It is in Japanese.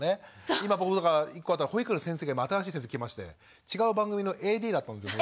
今僕とか１個あったのは保育園の先生が新しい先生が来まして違う番組のＡＤだったんですよ昔。